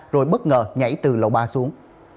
rồi bất ngờ nhảy từ lầu ba xuống